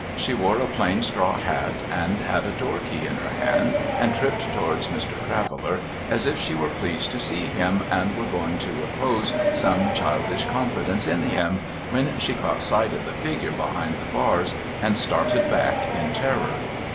She wore a plain straw hat, had a door key in her hand, and tripped towards Mr. Traveller as if she were pleased to see him and were going to repose some childish confidence in him, when she caught sight of the figure behind the bars, and started back in terror.